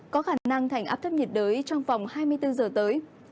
có khả năng thành áp thấp nhiệt đới trong vòng hai mươi bốn giờ tới